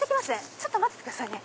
ちょっと待っててくださいね。